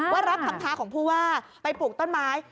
ว่ารับคำท้าของผู้ว่าไปปลูกต้นไม้